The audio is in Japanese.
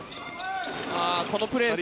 このプレーですね。